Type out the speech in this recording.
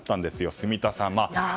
住田さん。